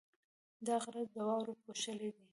دا غره د واورو پوښلی دی.